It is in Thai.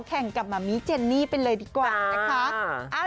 แข่งกับมะมี่เจนนี่ไปเลยดีกว่านะคะ